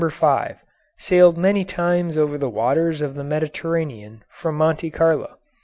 5, sailed many times over the waters of the Mediterranean from Monte Carlo.